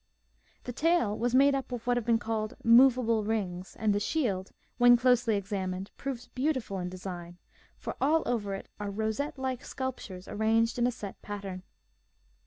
The tail was made up of what have been called "movable rings," and the shield, when closely examined, proves beautiful in design, for all over it are rosette like sculptures arranged in a set pattern.